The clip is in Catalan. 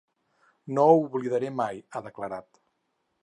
No ho oblidaré mai, ha declarat.